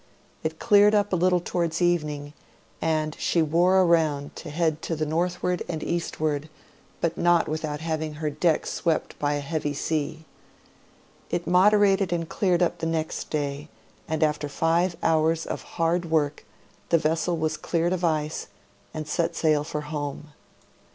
It cleared up a little towards evening, and she wore around to head to the The Great Storm of March 11 U, 1888. 57 northward and eastward, but not without having her deck swept by a heavy sea. It moderated and cleared up the next day, and after five hours of hard work the vessel was cleared of ice, and sail set for home.